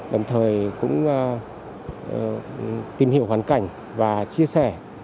đồng thời cũng tìm hiểu hoàn cảnh và chia sẻ